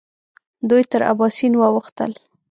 دوی تر اباسین واوښتل.